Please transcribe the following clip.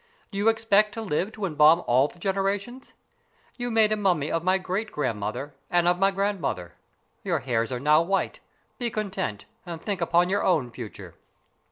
"Do you expect to live to embalm all the generations? You made a mummy of my great grandmother and of my grandmother. Your hairs are now white. Be content, and think upon your own future."